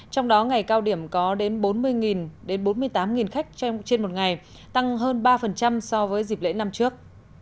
trong đó ngày cao điểm có đến bốn mươi đến bốn mươi tám khách trên một ngày tăng hơn ba so với dịp lễ năm trước